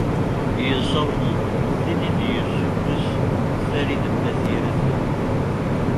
Yessaweḍ ad ten-id-yessukkes Farid n At Yiraten.